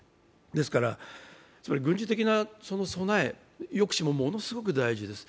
ですから軍事的な備え、抑止もものすごい大事です。